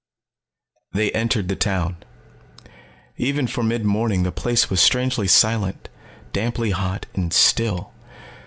They entered the town. Even for mid morning the place was strangely silent, damply hot, and still.